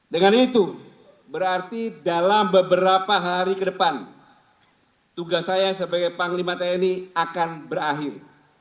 dengan itu berarti dalam beberapa hari ke depan tugas saya sebagai panglima tni akan berakhir